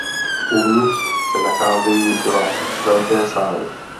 Uvnitř se nacházejí dva velké sály.